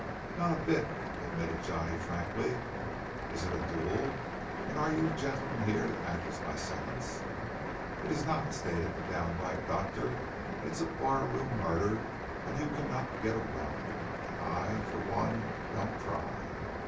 "Not a bit," admitted Johnny frankly. "Is it a duel; and are you gentleman here to act as my seconds?" "It is not," stated the downright doctor. "It's a barroom murder and you cannot get around it; and I, for one, don't try.